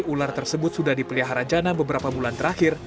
ular tersebut sudah dipelihara jana beberapa bulan terakhir